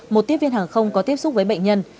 một tiếp viên hàng không có tiếp xúc với bệnh nhân